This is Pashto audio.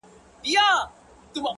o ستا خــوله كــي ټــپه اشــنا ـ